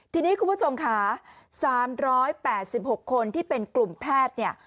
ทีนี้คุณผู้ชมค่ะ๓๘๖คนที่เป็นกลุ่มแพทย์เนี่ย